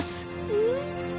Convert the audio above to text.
うん。